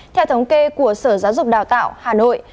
theo thống kê của sở giáo dục đào tạo hà nội